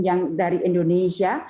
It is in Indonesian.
yang dari indonesia